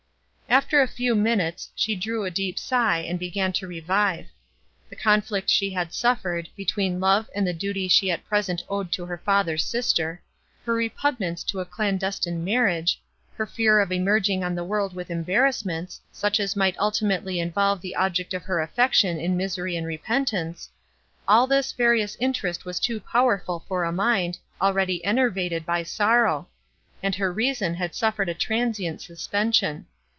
After a few minutes, she drew a deep sigh, and began to revive. The conflict she had suffered, between love and the duty she at present owed to her father's sister; her repugnance to a clandestine marriage, her fear of emerging on the world with embarrassments, such as might ultimately involve the object of her affection in misery and repentance;—all this various interest was too powerful for a mind, already enervated by sorrow, and her reason had suffered a transient suspension.